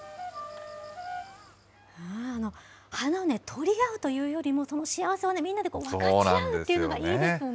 あの花ね、取り合うというよりも、その幸せをみんなで分かち合うっていうのがいいですよね。